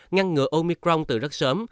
ngăn ngừa omicron từ rất sớm